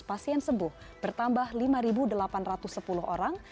pasien sembuh bertambah lima delapan ratus sepuluh orang